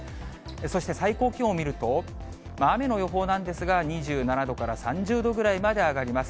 そして最高気温を見ると、雨の予報なんですが、２７度から３０度ぐらいまで上がります。